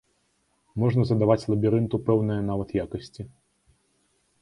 Можна задаваць лабірынту пэўныя нават якасці.